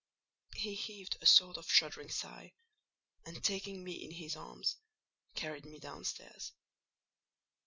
He heaved a sort of shuddering sigh, and taking me in his arms, carried me downstairs.